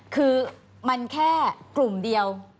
คือมันแค่กลุ่มเดียว